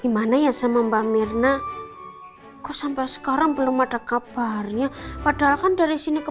gimana ya sama mbak mirna kok sampai sekarang belum ada kabarnya padahal kan dari sini ke